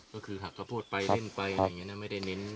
ก็คือหักข้าวโพดไปดิ้นไปอะไรอย่างนี้นะไม่ได้เน้น